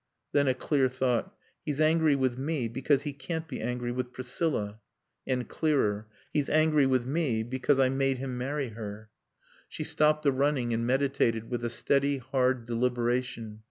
_" Then a clear thought: "He's angry with me because he can't be angry with Priscilla." And clearer. "He's angry with me because I made him marry her." She stopped the running and meditated with a steady, hard deliberation.